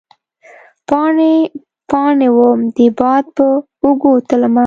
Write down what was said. پاڼې ، پا ڼې وم د باد په اوږو تلمه